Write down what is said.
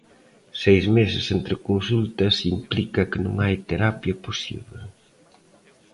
Seis meses entre consultas implica que non hai terapia posíbel.